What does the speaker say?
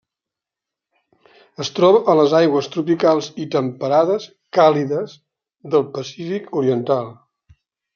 Es troba a les aigües tropicals i temperades càlides del Pacífic oriental.